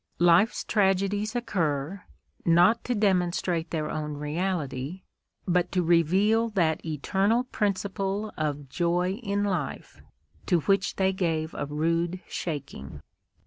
Life's tragedies occur, not to demonstrate their own reality, but to reveal that eternal principle of joy in life, to which they gave a rude shaking.